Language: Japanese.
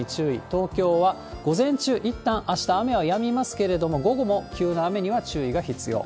東京は午前中、いったんあした雨はやみますけれども、午後も急な雨には注意が必要。